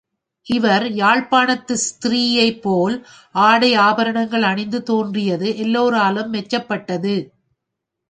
இவர் யாழ்ப்பாணத்து ஸ்திரீயைப்போல் ஆடை ஆபரணங்கள் அணிந்து தோன்றியது எல்லோராலும் மெச்சப் பட்டது.